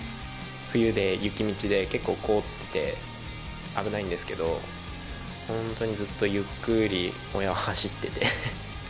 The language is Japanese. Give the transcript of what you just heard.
冬で雪道で結構、凍っていて危ないんですけど本当にずっとゆっくり親は走ってて。